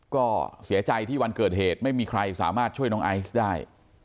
ก็เสียใจที่วันเกิดเหตุไม่มีใครสามารถช่วยน้องไอซ์ได้